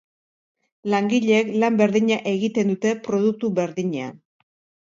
Langileek lan berdina egiten dute produktu berdinean.